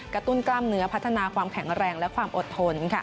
กระตุ้นกล้ามเนื้อพัฒนาความแข็งแรงและความอดทน